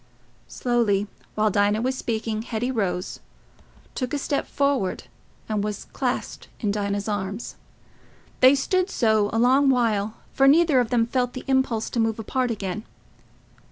Slowly, while Dinah was speaking, Hetty rose, took a step forward, and was clasped in Dinah's arms. They stood so a long while, for neither of them felt the impulse to move apart again.